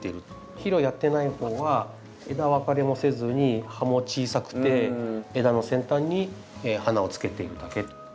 肥料をやっていない方は枝分かれもせずに葉も小さくて枝の先端に花をつけているだけと。